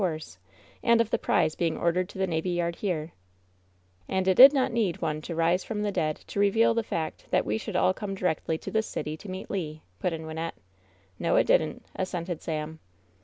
Force, and of the prize being ordered to the navy yard here !" "And it did not need one to rise from the dead to reveal the fact that we should all oome directly to this city to meet Le !" put in Wynnette. "No, it didn't !" assented Sam.